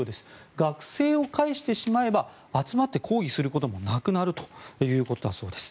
学生を帰してしまえば集まって抗議することもなくなるということだそうです。